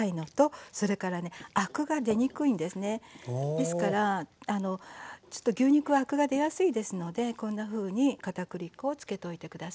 ですから牛肉はアクが出やすいですのでこんなふうに片栗粉をつけといて下さい。